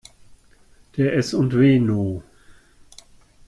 Der S&W No.